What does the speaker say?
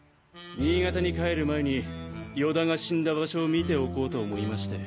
新潟に帰る前に与田が死んだ場所を見ておこうと思いまして。